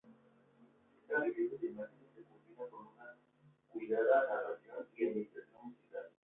Esta riqueza de imágenes se culmina con una cuidada narración y ambientación musical.